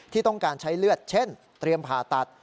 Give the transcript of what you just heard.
ที่ต้องการใช้เลือดเช่นเตรียมผ่าตัด